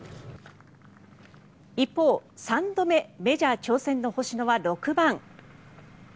一方、３度目メジャー挑戦の星野は６番。